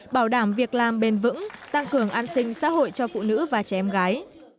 bảo đảm việc làm bền vững tăng cường an sinh xã hội cho phụ nữ và trẻ em gái